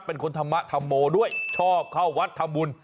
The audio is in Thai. เธอเป็นคนธรรมะธรรโมด้วยชอบเข้าวัดธรรมวล